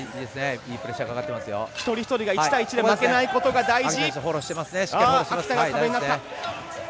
いいプレッシャーが一人一人が１対１で負けないことが大事。